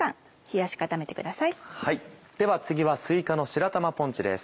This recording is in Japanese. では次はすいかの白玉ポンチです。